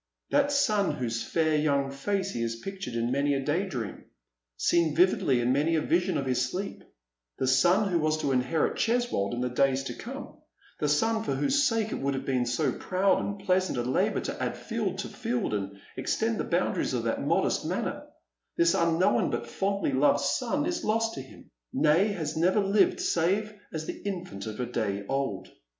That eon whose fair young face he has pictured in many a day dream — seen vividly in many a vision of his sleep, — the son who was to inherit Cheswold in the days to come — the son for whose sake it would have been so proud and pleasant a labour to add field to field, and extend the boundaries of that modest manor — this unknown but fondly loved Bon is lost to him, nay, has never lived save as the infant of a day old.